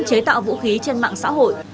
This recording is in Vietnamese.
chế tạo vũ khí trên mạng xã hội